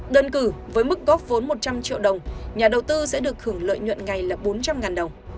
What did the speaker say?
đơn cử với mức góp vốn một trăm linh triệu đồng nhà đầu tư sẽ được hưởng lợi nhuận ngày là bốn trăm linh đồng